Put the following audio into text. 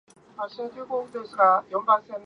To the north, Nairn is bounded by the Moray Firth.